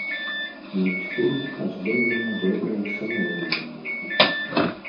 Мультфільм аздоблены добрай самаіроніяй.